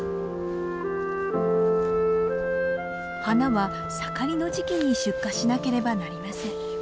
花は盛りの時期に出荷しなければなりません。